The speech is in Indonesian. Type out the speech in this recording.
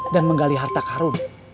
dan menggali harta karun